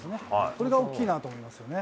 これが大きいなと思いますね。